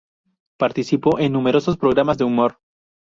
Participó en numerosos programas de humor.